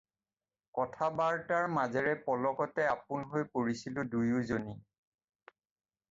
কথা-বাৰ্তাৰ মাজেৰে পলকতে আপোন যেন হৈ পৰিছিলোঁ দুয়োজনী।